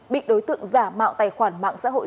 bị đối tượng giả mạo tài khoản mạng xã hội